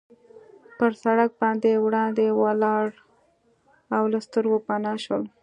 پر سړک باندې وړاندې ولاړل او له سترګو پناه شول.